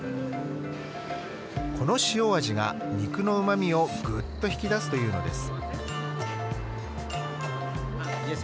この塩味が、肉のうまみをぐっと引き出すというのです。